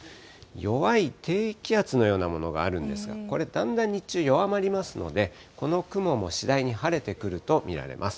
弱い低気圧のようなものがあるんですが、これ、だんだん日中、弱まりますので、この雲も次第に晴れてくると見られます。